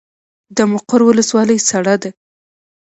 د مقر ولسوالۍ سړه ده